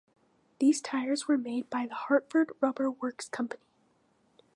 These tires were made by the Hartford Rubber Works Company.